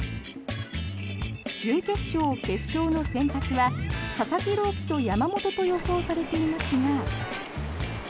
準決勝、決勝の先発は佐々木朗希と山本と予想されていますが。